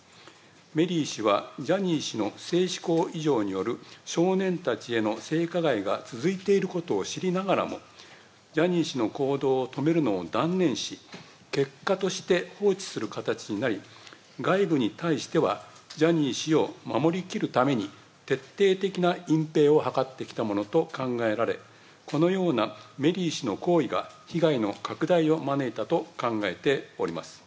メリー氏はジャニー氏の性しこう異常による少年たちへの性加害が続いていることを知りながらも、ジャニー氏の行動を止めるのを断念し、結果として放置する形になり、外部に対してはジャニー氏を守りきるために、徹底的な隠ぺいを図ってきたものと考えられ、このようなメリー氏の行為が被害の拡大を招いたと考えております。